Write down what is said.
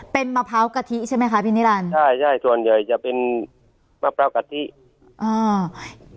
เป็นมะพร้าวกะทิใช่ไหมคะพี่นิรันดิ์ใช่ใช่ส่วนใหญ่จะเป็นมะพร้าวกะทิอ่า